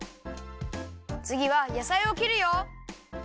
つぎはやさいをきるよ！